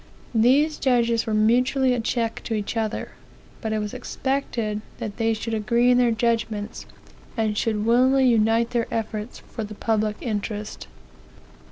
These judges were mutually a check to each other; but it was expected that they should agree in their judgments, and should willingly unite their efforts for the public interest.